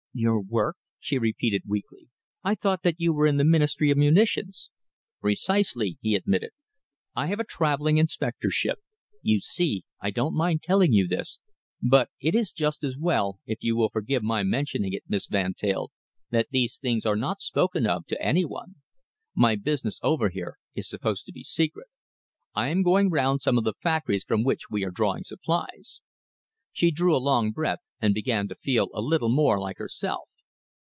"Your work," she repeated weakly. "I thought that you were in the Ministry of Munitions?" "Precisely," he admitted. "I have a travelling inspectorship. You see, I don't mind telling you this, but it is just as well, if you will forgive my mentioning it, Miss Van Teyl, that these things are not spoken of to any one. My business over here is supposed to be secret. I am going round some of the factories from which we are drawing supplies." She drew a long breath and began to feel a little more like herself.